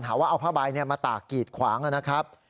ว่าเอาผ้าใบมาตากกีดขวางนะครับ